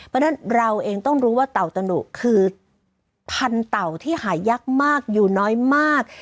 เพราะฉะนั้นเราเองต้องรู้ว่าเต่าตะหนุคือพันเต่าที่หายากมากอยู่น้อยมาก